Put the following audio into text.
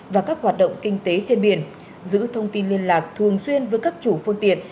và các hoạt động kinh tế trên biển giữ thông tin liên lạc thường xuyên với các chủ phương tiện